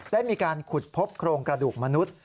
ได้มีการขุดพบโครงกระดูกมนุษย์